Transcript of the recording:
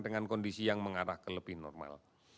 dengan kondisi yang mengarah ke lebih normal